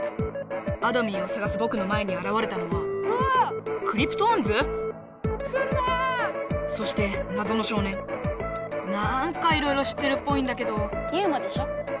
あどミンをさがすぼくの前にあらわれたのはクリプトオンズ⁉そしてなぞの少年なんかいろいろ知ってるっぽいんだけどユウマでしょ？